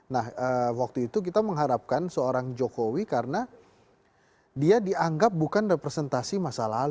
nah waktu itu kita mengharapkan seorang jokowi karena dia dianggap bukan representasi masa lalu